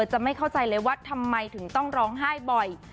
จะไม่เข้าใจเลยว่าทำไมถึงต้องร้องไห้บ่อย